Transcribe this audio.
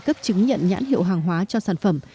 cấp chứng nhận nhãn hiệu hàng hóa cho sản phẩm